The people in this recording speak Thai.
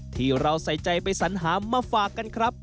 ที่เราใส่ใจไปสัญหามาฝากกันครับ